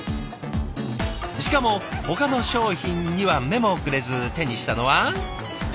しかもほかの商品には目もくれず手にしたのは。